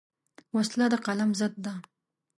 وسله د قلم ضد ده